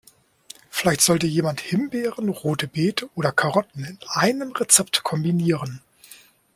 Vielleicht sollte jemand Himbeeren, Rote Beete oder Karotten in einem Rezept kombinieren.